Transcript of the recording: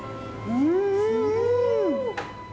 うん！